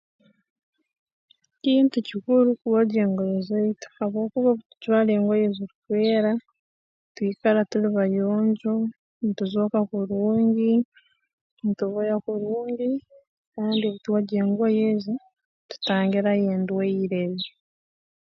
Kintu kikuru kwogya engoye zaitu habwokuba obu tujwara engoye ezirukwera twikara tuli bayonjo ntuzooka kurungi ntuboya kurungi kandi obu twogya engoye ezi tutangirayo endwaire ezi